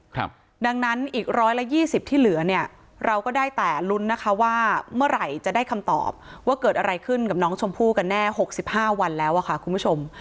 ครับดังนั้นอีกร้อยละยี่สิบที่เหลือเนี่ยเราก็ได้แต่ลุ้นนะคะว่าเมื่อไหร่จะได้คำตอบว่าเกิดอะไรขึ้นกับน้องชมพู่กันแน่หกสิบห้าวันแล้วอ่ะค่ะคุณผู้ชม